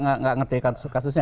anda enggak ngerti kasusnya